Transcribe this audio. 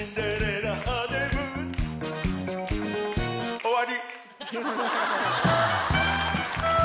終わり。